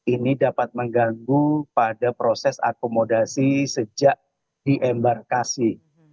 ini dapat mengganggu pada proses akomodasi sejak diembarkasi